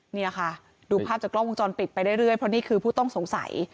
เนี่ยค่ะดูภาพจากกล้องวงจรปิดไปเรื่อยเพราะนี่คือผู้ต้องสงสัย